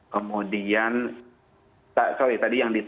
kemudian sorry tadi yang di